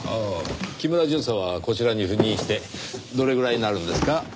木村巡査はこちらに赴任してどれぐらいになるのですか？